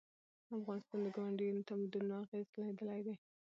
افغانستان د ګاونډیو تمدنونو اغېز لیدلی دی.